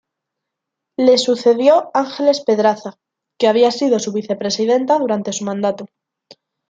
Le sucedió Ángeles Pedraza, que había sido su vicepresidenta durante su mandato.